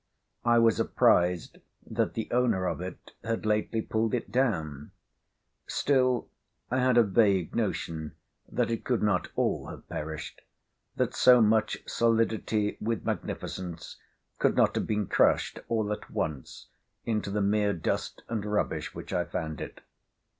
I was apprised that the owner of it had lately pulled it down; still I had a vague notion that it could not all have perished, that so much solidity with magnificence could not have been crushed all at once into the mere dust and rubbish which I found it.